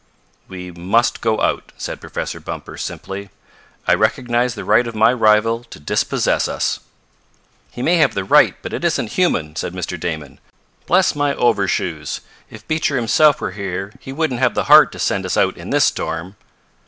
"We must go out," said Professor Bumper simply. "I recognize the right of my rival to dispossess us." "He may have the right, but it isn't human," said Mr. Damon. "Bless my overshoes! If Beecher himself were here he wouldn't have the heart to send us out in this storm."